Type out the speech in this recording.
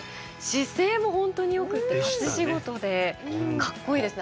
姿勢もホントによくて立ち仕事でかっこいいですね